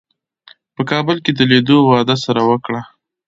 په کابل کې د لیدو وعده سره وکړه.